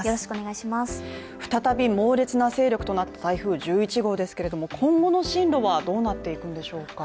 再び猛烈な勢力となった台風１１号ですけれども今後の進路はどうなっていくのでしょうか。